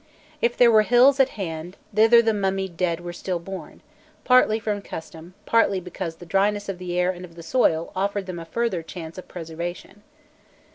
If there were hills at hand, thither the mummied dead were still borne, partly from custom, partly because the dryness of the air and of the soil offered them a further chance of preservation.